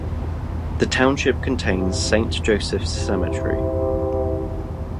The township contains Saint Joseph's Cemetery.